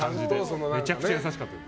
めちゃくちゃ優しかった。